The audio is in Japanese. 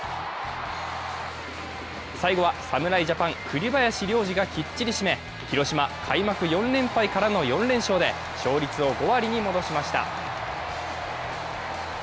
最後は侍ジャパン、栗林良吏がきっちり締め、広島、開幕４連敗からの３連勝で勝率を５割に戻しました。